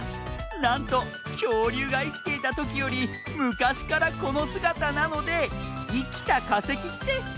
なんときょうりゅうがいきていたときよりむかしからこのすがたなので「いきたかせき」っていわれているんだ。